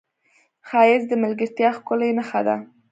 ښایست د ملګرتیا ښکلې نښه ده